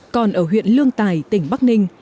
còn ở huyện lương tài tỉnh bắc ninh